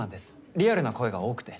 リアルな声が多くて。